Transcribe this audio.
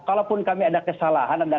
kalaupun kami ada kesalahan ada